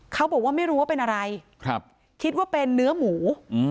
เขาบอกว่าไม่รู้ว่าเป็นอะไรคิดว่าเป็นเนื้อหมู